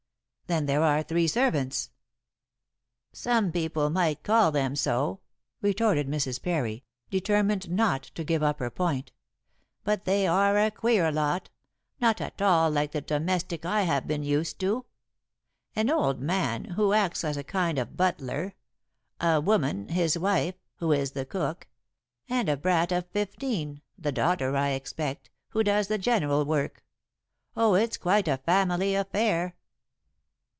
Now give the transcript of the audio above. "Then there are three servants?" "Some people might call them so," retorted Mrs. Parry, determined not to give up her point, "but they are a queer lot not at all like the domestic I have been used to. An old man, who acts as a kind of butler; a woman, his wife, who is the cook; and a brat of fifteen, the daughter I expect, who does the general work. Oh, it's quite a family affair."